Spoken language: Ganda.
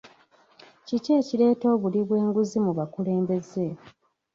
Kiki ekireeta obuli bw'enguzi mu bakulembeze?